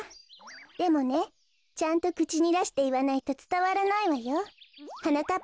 でもねちゃんとくちにだしていわないとつたわらないわよ。はなかっ